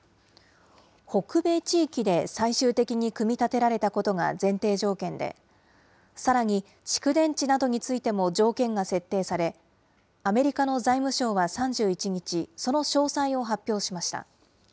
北米地域で最終的に組み立てられたことが前提条件で、さらに蓄電池などについても条件が設定され、アメリカの財務省は３１日、その詳細を発表しました。